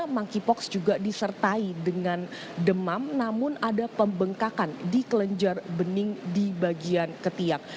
monkeypox juga disertai dengan demam namun ada pembengkakan di kelenjar bening di bagian ketiak